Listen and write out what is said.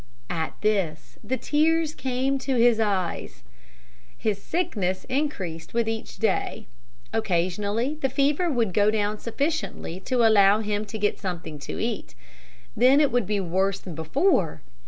At this the tears came to his eyes. His sickness increased with each day. Occasionally the fever would go down sufficiently to allow him to get something to eat. Then it would be worse than before.